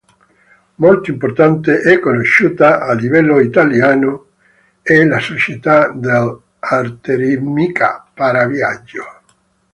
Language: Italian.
Molto importante e conosciuta a livello Italiano è la società dell'Arteritmica Parabiago.